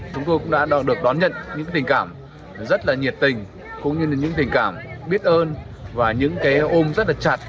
chúng tôi cũng đã được đón nhận những tình cảm rất là nhiệt tình cũng như là những tình cảm biết ơn và những cái ôm rất là chặt